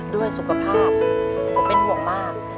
ด้วยสุขภาพผมเป็นห่วงมาก